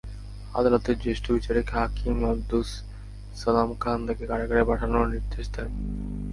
আদালতের জ্যেষ্ঠ বিচারিক হাকিম আবদুস ছালাম খান তাঁকে কারাগারে পাঠানোর নির্দেশ দেন।